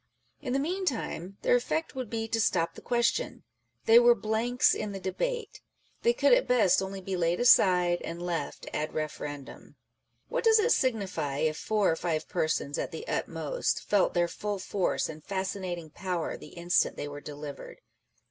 In the meantime, their effect would be to stop the question : they were blanks in the debate : they could at best only be laid aside and left ad referendum. What does it signify if four or five persons, at the utmost, felt their full force and fascinating power the instant they were delivered?